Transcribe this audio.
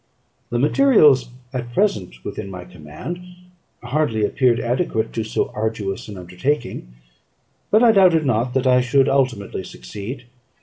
The materials at present within my command hardly appeared adequate to so arduous an undertaking; but I doubted not that I should ultimately succeed.